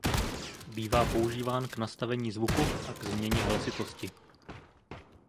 Bývá používán k nastavení zvuku a k změně hlasitosti.